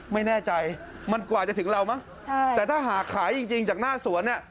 ไม่แน่ใจมันกว่าจะถึงเรามั้งแต่ถ้าหากขายจริงจริงจากหน้าสวนเนี่ย